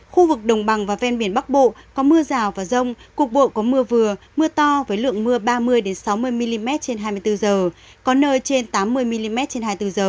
khu vực đồng bằng và ven biển bắc bộ có mưa rào và rông cục bộ có mưa vừa mưa to với lượng mưa ba mươi sáu mươi mm trên hai mươi bốn h có nơi trên tám mươi mm trên hai mươi bốn h